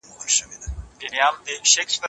شریف خپل زوی ته د رښتیني ژوند ستونزې بیان کړې.